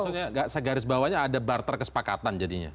jadi maksudnya garis bawahnya ada barter kesepakatan jadinya